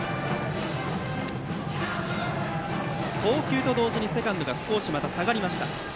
投球と同時にセカンドが少し下がりました。